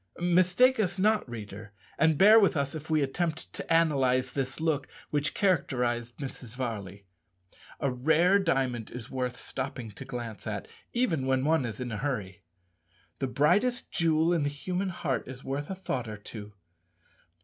Mistake us not, reader, and bear with us if we attempt to analyze this look which characterized Mrs. Varley. A rare diamond is worth stopping to glance at, even when one is in a hurry. The brightest jewel in the human heart is worth a thought or two.